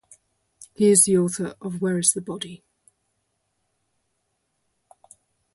He is the author of Where is the Body?